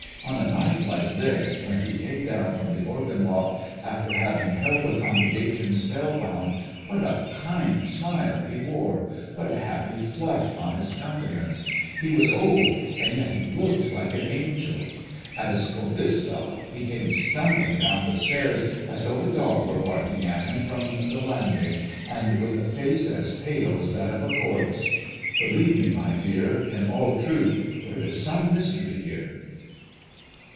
On a night like this, when he came down from the organ loft after having held the congregation spell bound, what a kind smile he wore! What a happy flush on his countenance! He was old, and yet he looked like an angel! As for this fellow, he came stumbling down the stairs as though a dog were barking at him from the landing, and with a face as pale as that of a corpse. Believe me, my dear, in all truth, there is some mystery here."